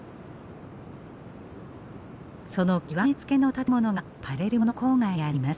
その極めつけの建物がパレルモの郊外にあります。